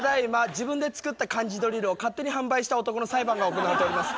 自分で作った漢字ドリルを勝手に販売した男の裁判が行われております。